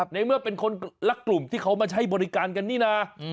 ในเมื่อเป็นคนละกลุ่มที่เขามาใช้บริการกันนี่นะ